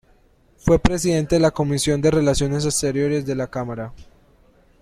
Fue presidente de la Comisión de Relaciones Exteriores de la Cámara.